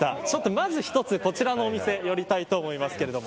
まず一つ、こちらのお店寄りたいと思いますけれども。